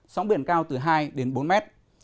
sóng biển cao từ hai đến bốn mét